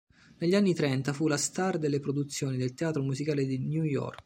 Negli anni trenta, fu la star delle produzioni del teatro musicale di New York.